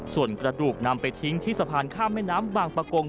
ส่วนกระดูกนำไปทิ้งที่สะพานข้ามแม่น้ำบางประกง